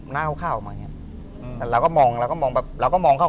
เราก็มันหยุดตรงเล็กเนี่ย